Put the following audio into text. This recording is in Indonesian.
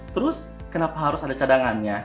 terus kenapa harus ada cadangannya